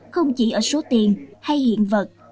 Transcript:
không chỉ ở số tiền hay hiện vật